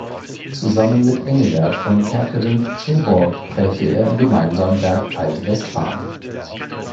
Zusammen mit Engelbert von Kerckerinck zur Borg prägte er im gemeinsamen Werk "Alt-Westfalen.